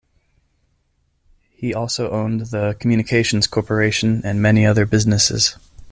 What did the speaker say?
He also owned The Communications Corporation and many other businesses.